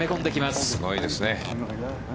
すごいですね。